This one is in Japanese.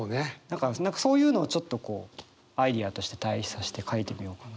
だから何かそういうのをちょっとこうアイデアとして対比さして書いてみようかな。